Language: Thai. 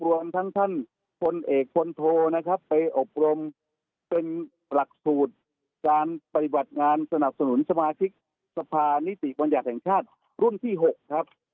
รวมทั้งท่านพลเอกพลโทนะครับไปอบรมเป็นหลักสูตรการปฏิบัติงานสนับสนุนสมาชิกสภานิติบัญญัติแห่งชาติรุ่นที่๖ครับ